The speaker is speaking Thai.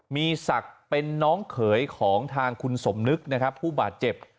มีศักดิ์เป็นน้องเขยของทางคุณสมนึกนะครับผู้บาดเจ็บ